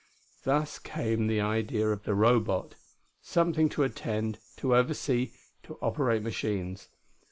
Thus came the idea of the Robot something to attend, to oversee, to operate machines.